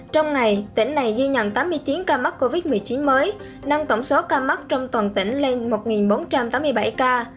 trong ngày tỉnh này ghi nhận tám mươi chín ca mắc covid một mươi chín mới nâng tổng số ca mắc trong toàn tỉnh lên một bốn trăm tám mươi bảy ca